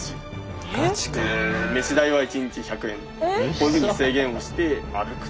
こういうふうに制限をして歩く。